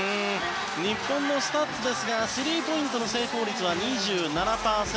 日本のスタッツですがスリーポイントの成功率は２７％。